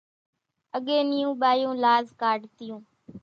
اڳيَ نيون ٻايوُن لاز ڪاڍتِيون۔